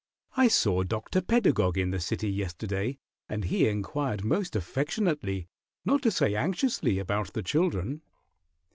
I saw Dr. Pedagog in the city yesterday, and he inquired most affectionately, not to say anxiously, about the children."